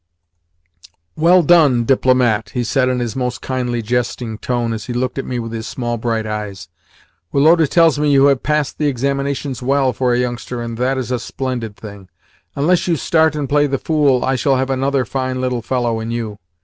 "Well done, DIPLOMAT!" he said in his most kindly jesting tone as he looked at me with his small bright eyes. "Woloda tells me you have passed the examinations well for a youngster, and that is a splendid thing. Unless you start and play the fool, I shall have another fine little fellow in you.